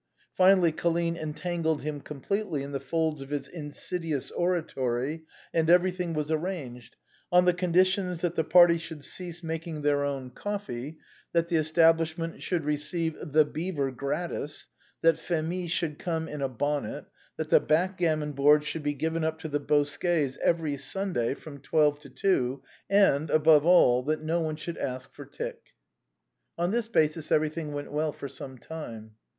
Finally, Colline entangled him completely in the folds of his insidi ous oratory, and everything was arranged, on the condi tions that the party should cease making their own coffee, that the establishment should receive " The Beaver " gratis, that Phémie should come in a bonnet, that the back gammon board should be given up to the Bosquets every A BOHEMIAN CAFE. 187 Sunday from twelve to two; and above all, that no one should ask for tick. On this basis everything went well for some time.